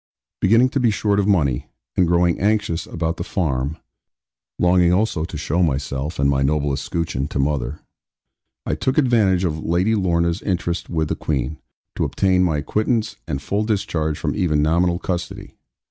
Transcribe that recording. Beginning to be short of money, and growing anxious about the farm, longing also to show myself and my noble escutcheon to mother, I took advantage of Lady Lorna's interest with the Queen, to obtain my acquittance and full discharge from even nominal custody.